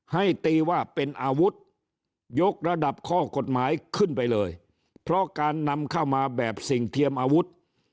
ให้ตีว่าเป็นอาวุธยกระดับข้อกฎหมายขึ้นไปเลยเพราะการนำเข้ามาแบบสิ่งเทียมอาวุธ